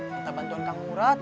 minta bantuan kang murad